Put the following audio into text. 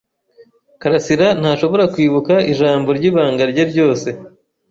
karasira ntashobora kwibuka ijambo ryibanga rye ryose,